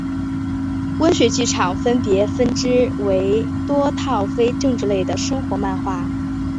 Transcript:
温水剧场分别分支为多套非政治类的生活漫画